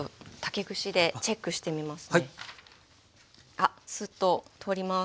あっスッと通ります。